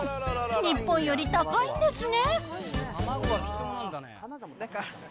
日本より高いんですね。